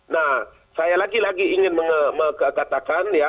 nah saya lagi lagi ingin mengatakan ya